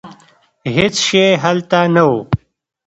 هېڅ شی هلته نه و.